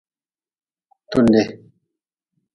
Tude.